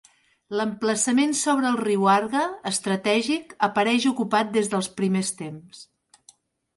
L'emplaçament sobre el riu Arga, estratègic, apareix ocupat des dels primers temps.